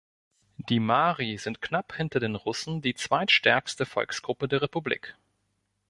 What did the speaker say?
Die Mari sind knapp hinter den Russen die zweitstärkste Volksgruppe der Republik.